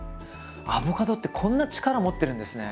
アボカドってこんな力持ってるんですね！